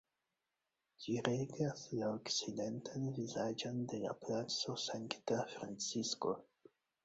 Ĝi regas la okcidentan vizaĝon de la Placo Sankta Francisko.